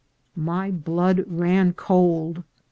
My blood ran cold.